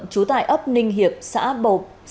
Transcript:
chú tài ấp ninh hiệp xã bộc